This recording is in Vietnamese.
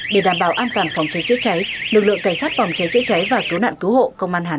để đảm bảo an toàn phòng cháy trị cháy lực lượng cảnh sát phòng cháy trị cháy và cứu nạn cứu hộ công an hà nam